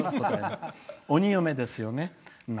鬼嫁ですよね。